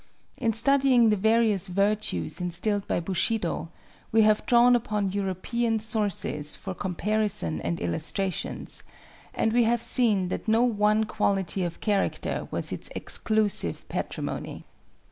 In studying the various virtues instilled by Bushido, we have drawn upon European sources for comparison and illustrations, and we have seen that no one quality of character was its exclusive patrimony.